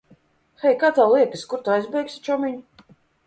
Hei, kā tev liekas, kur tu aizbēgsi, čomiņ?